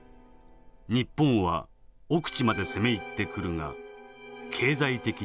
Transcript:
日本は奥地まで攻め入ってくるが経済的に行き詰まるだろう。